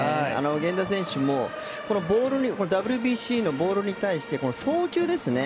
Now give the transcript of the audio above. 源田選手もＷＢＣのボールに対して送球ですね。